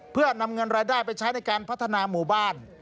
เพื่อนำเงินรายได้ไปใช้ในการพัฒนาหมู่บ้าน